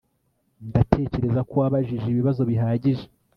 Ndatekereza ko wabajije ibibazo bihagije